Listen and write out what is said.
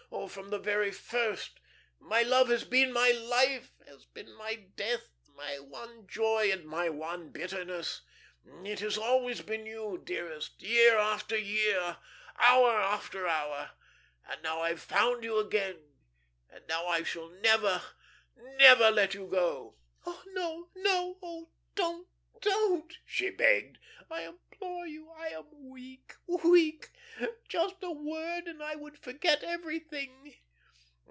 Oh, from the very first! My love has been my life, has been my death, my one joy, and my one bitterness. It has always been you, dearest, year after year, hour after hour. And now I've found you again. And now I shall never, never let you go." "No, no! Ah, don't, don't!" she begged. "I implore you. I am weak, weak. Just a word, and I would forget everything."